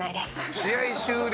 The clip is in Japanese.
「試合終了。」